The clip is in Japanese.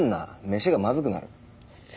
飯がまずくなる。